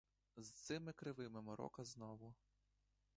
З цими кривими морока знову.